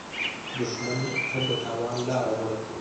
دښمن تل د تاوان لاره غوره کوي